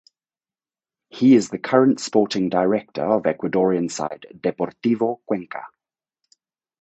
He is the current sporting director of Ecuadorian side Deportivo Cuenca.